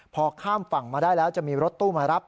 พอข้ามฝั่งมาได้แล้วจะมีรถตู้มารับ